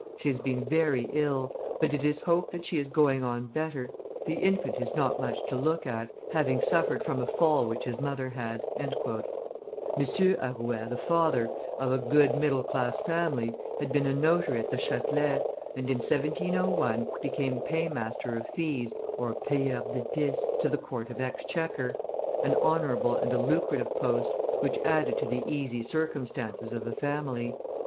She has been very ill, but it is hoped that she is going on better; the infant is not much to look at, having suffered from a fall which his mother had." M. Arouet, the father, of a good middle class family, had been a notary at the Chatelet, and in 1701 became paymaster of fees (payeur d'epices) to the court of exchequer, an honorable and a lucrative post, which added to the easy circumstances of the family.